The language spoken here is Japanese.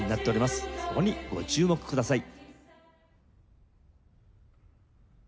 そこにご注目ください。